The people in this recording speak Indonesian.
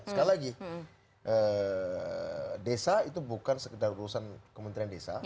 sekali lagi desa itu bukan sekedar urusan kementerian desa